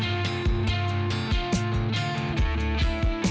pak berhenti isin aja ya